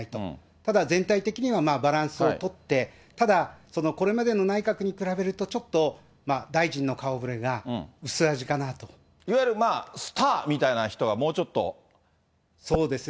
ただ、全体的にはバランスを取って、ただ、これまでの内閣に比べると、ちょっと大臣の顔ぶれが薄味かなと。いわゆるスターみたいな人がもうちょっと入って。